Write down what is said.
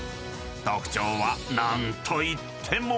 ［特徴は何といっても］